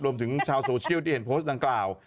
รวมถึงชาวโซเชียลที่เห็นโพสต์ดังกล่าว